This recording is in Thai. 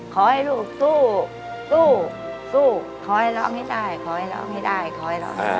ขอให้ลูกสู้สู้สู้ขอให้ล้อไม่ได้ขอให้ล้อไม่ได้ขอให้ล้อ